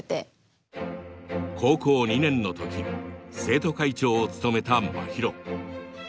高校２年の時生徒会長を務めたまひろ。